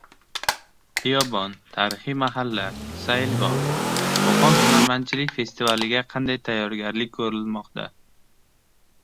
Xiyobon, tarixiy mahalla, sayilgoh. Qo‘qon hunarmandchilik festivaliga qanday tayyorgarlik ko‘rmoqda?